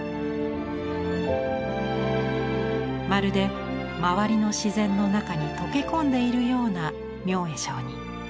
まるで周りの自然の中に溶け込んでいるような明恵上人。